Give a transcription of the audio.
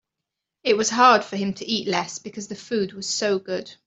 It was hard for him to eat less because the food was so good.